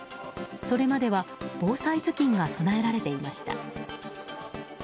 それまでは防災ずきんが備えられていました。